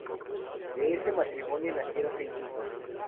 De este matrimonio nacieron seis hijos.